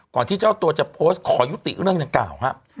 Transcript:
ก่อนที่เจ้าตัวจะโพสต์ขอยุติเรื่องเก่าฮะ